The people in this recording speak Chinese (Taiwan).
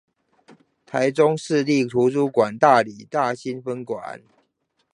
臺中市立圖書館大里大新分館